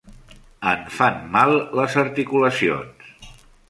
Em fan mal les articulacions.